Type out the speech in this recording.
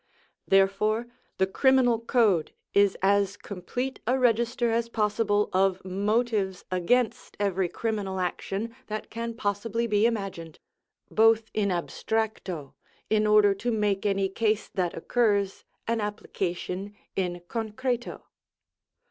Therefore the criminal code is as complete a register as possible of motives against every criminal action that can possibly be imagined—both in abstracto, in order to make any case that occurs an application in concreto.